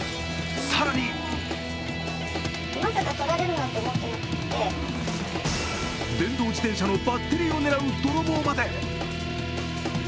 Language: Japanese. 更に電動自転車のバッテリーを狙う泥棒まで。